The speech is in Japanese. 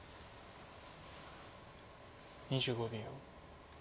２５秒。